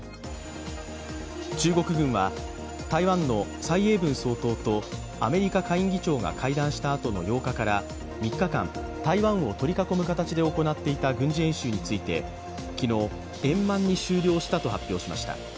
中国軍は台湾の蔡英文総統とアメリカ下院議長が会談したあとの８日から３日間台湾を取り囲む形で行っていた軍事演習について昨日、円満に終了したと発表しました。